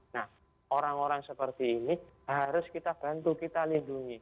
nah orang orang seperti ini harus kita bantu kita lindungi